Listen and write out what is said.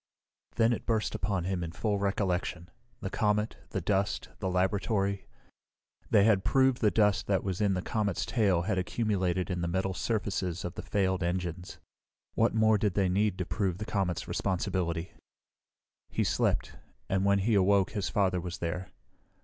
Then it burst upon him in full recollection the comet, the dust, the laboratory. They had proved the dust that was in the comet's tail had accumulated in the metal surfaces of the failed engines. What more did they need to prove the comet's responsibility? He slept, and when he awoke his father was there.